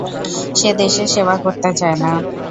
সে দেশের সেবা করতে চায় না।